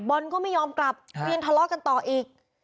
บอลก็ไม่ยอมกลับเรียนทะเลาะกันต่ออีก